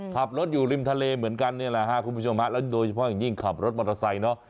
ขับรถอยู่ริมทะเลเหมือนกันนี่แหละครับคุณผู้ชมโดยเฉพาะอย่างนี้ขับรถมอเตอร์ไซส์เนอะ